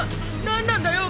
な何なんだよ